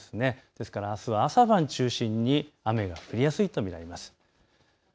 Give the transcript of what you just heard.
ですからあすは朝晩中心に雨が降りやすいと見られます。